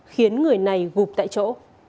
khiến người này gục tại chỗ